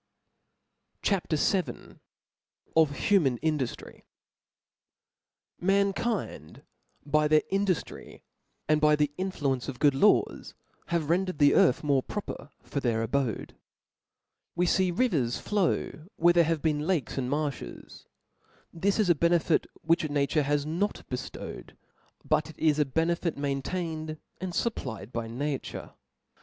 CHAP. VIL Of human Indujiry. MAnkind by their induftry, and by the influ ence of good laws, have rendered the earth more proper for their abode. We fee rivers flow where there have been lakes and marflies : this is a benefit which nature has not beftowed ; but it is a benefit maintained and fupplied by nature.